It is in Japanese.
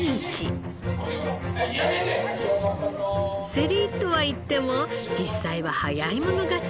せりとはいっても実際は早い者勝ち。